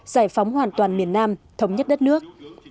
giải phóng hoàn toàn miền nam thống nhất đất nước